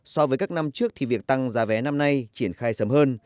so với các năm trước thì việc tăng giá vé năm nay triển khai sớm hơn